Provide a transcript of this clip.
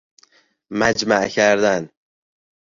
مجمع کردن